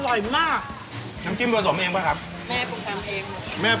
ทุกคนมาต้องสั่งต้องซื้อต้องเอากลับบ้าน